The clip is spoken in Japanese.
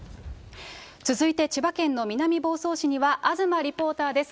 続いて、千葉県の南房総市には東リポーターです。